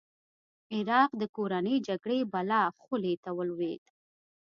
عراق د کورنۍ جګړې بلا خولې ته ولوېد.